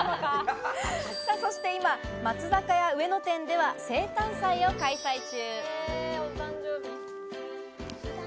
今、松坂屋上野店では生誕祭を開催中。